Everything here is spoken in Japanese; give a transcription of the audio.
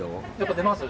出ますよ。